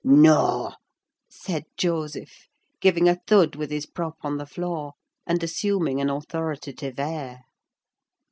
"Noa!" said Joseph, giving a thud with his prop on the floor, and assuming an authoritative air.